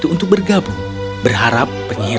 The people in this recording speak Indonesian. untuk nordendo samamuh